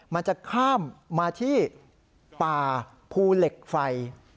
มันจะข้ามมาที่ป่าภูเหล็กไฟ